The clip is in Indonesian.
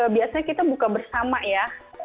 biasanya kita buka bersama ya